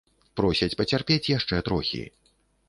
Просяць пацярпець яшчэ трохі.